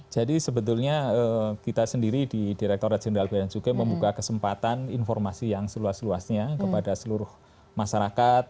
jadi sebetulnya kita sendiri di direkturat jenderal bij juga membuka kesempatan informasi yang seluas luasnya kepada seluruh masyarakat